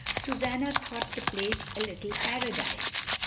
Susanna thought the place a little paradise.